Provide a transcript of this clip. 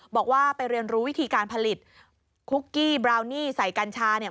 บอกว่าไปเรียนรู้วิธีการผลิตคุกกี้บราวนี่ใส่กัญชาเนี่ย